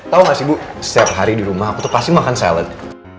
tahu gak sih bu setiap hari di rumah aku tuh pasti makan salad